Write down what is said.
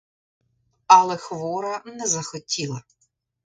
Але хвора не захотіла.